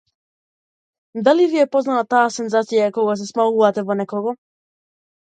Дали ви е позната таа сензација кога се смалувате во некого?